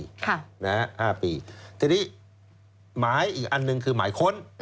ค่ะนะฮะห้าปีทีนี้หมายอีกอันหนึ่งคือหมายค้น